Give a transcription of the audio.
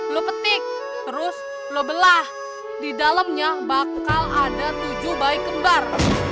lo petik terus lo belah di dalamnya bakal ada tujuh bayi kembar